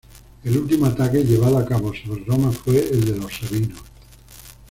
El último ataque llevado a cabo sobre Roma fue el de los sabinos.